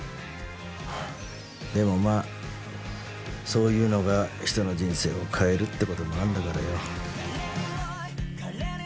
でもまあそういうのが人の人生を変えるって事もあるんだからよ。